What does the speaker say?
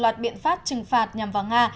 nó là một loạt biện pháp trừng phạt nhằm vào nga